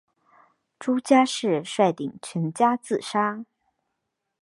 朱家仕率领全家自杀。